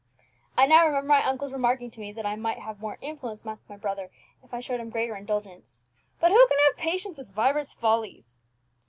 "I now remember my uncle's remarking to me that I might have more influence with my brother if I showed him greater indulgence. But who can have patience with Vibert's follies?"